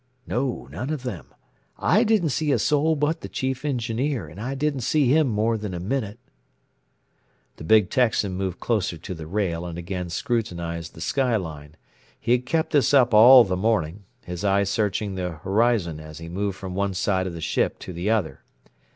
"No none of them. I didn't see a soul but the Chief Engineer, and I didn't see him more than a minute." The big Texan moved closer to the rail and again scrutinized the sky line. He had kept this up all the morning, his eye searching the horizon as he moved from one side of the ship to the other.